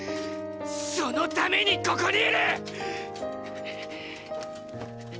そのためにここにいる！！